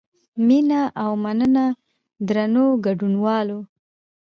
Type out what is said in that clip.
مینه او مننه درنو ګډونوالو.